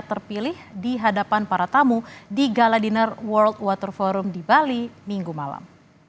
terpilih di hadapan para tamu di gala dinner world water forum di bali minggu malam